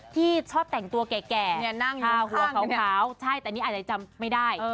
ที่ชอบแต่งตัวแก่นั่งทาหัวขาวใช่แต่นี่อาจจะจำไม่ได้